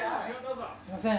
すいません。